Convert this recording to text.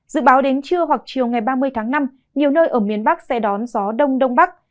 dự báo đến trưa hoặc chiều ngày ba mươi tháng năm nhiều nơi ở miền bắc sẽ đón gió đông đông bắc